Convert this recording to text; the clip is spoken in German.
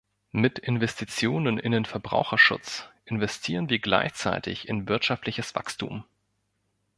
Mit Investitionen in den Verbraucherschutz investieren wir gleichzeitig in wirtschaftliches Wachstum.